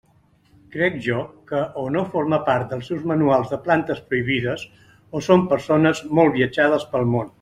Crec jo que o no forma part dels seus manuals de plantes prohibides o són persones molt viatjades pel món.